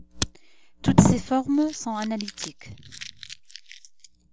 Toutes ces formes sont analytiques.